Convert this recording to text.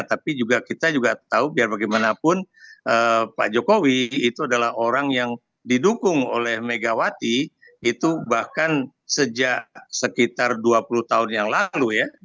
tapi juga kita juga tahu biar bagaimanapun pak jokowi itu adalah orang yang didukung oleh megawati itu bahkan sejak sekitar dua puluh tahun yang lalu ya